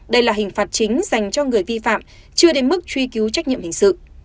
đây là hình phạt chính dành cho người vi phạm chưa đến mức truy cứu trách nhiệm hình sự